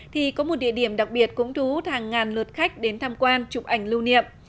thì có một địa điểm đặc biệt cũng thu hút hàng ngàn lượt khách đến tham quan chụp ảnh lưu niệm